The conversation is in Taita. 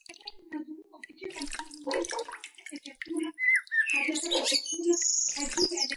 Kukasikira mbenyu ukiseka kwaw'oka kuchighichika!